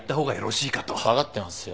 分かってますよ。